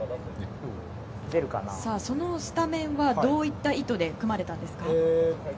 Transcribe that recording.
そのスタメンはどういった意図で組まれたんですか？